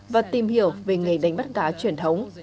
và tìm hiểu về nghề đánh bắt cá truyền thống